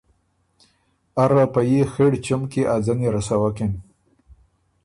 اره په يي خِړ چُم کی ا ځنی رسوکِن۔